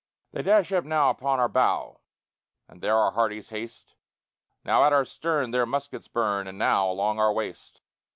They dash up now upon our bow, And there our hearties haste; Now at our stern their muskets burn, And now along our waist.